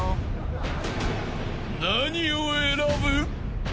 ［何を選ぶ？］